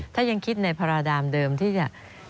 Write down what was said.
ถ้ายังคิดในภาระดามเดิมที่จะ